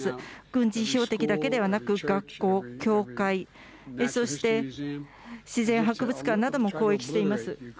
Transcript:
軍事標的だけではなく、学校、教会、そして自然博物館なども攻撃しています。